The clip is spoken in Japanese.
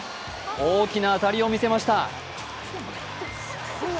大きな当たりをみせました。